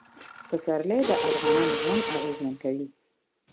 پسرلی د افغانانو ژوند اغېزمن کوي.